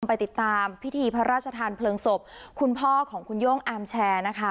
ไปติดตามพิธีพระราชทานเพลิงศพคุณพ่อของคุณโย่งอาร์มแชร์นะคะ